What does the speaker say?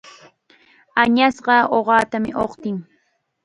Añasqa uqatam uqtin.